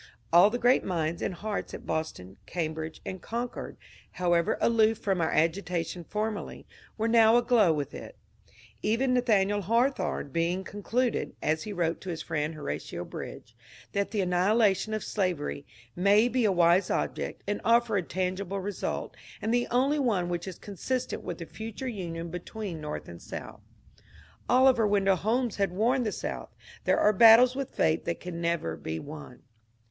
All the great minds and hearts at Boston, Cambridge, and Concord, how ever aloof from our agitation formerly, were now aglow with it, — even Nathaniel Hawthorne having concluded, as he wrote to his friend Horatio Bridge, that the annihilation of slavery ^^ may be a wise object, and offer a tangible result, and the only one which is consistent with a future union between North and South." Oliver Wendell Holmes had warned the South, ^^ There are battles with Fate that can never be won.''